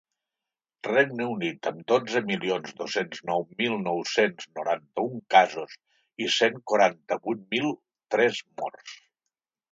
Regne Unit, amb dotze milions dos-cents nou mil nou-cents noranta-un casos i cent quaranta-vuit mil tres morts.